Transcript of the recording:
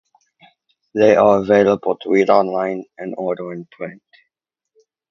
They are available to read online and order in print.